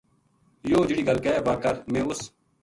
یوہ جہڑی گل کہہ واہ کر میں اس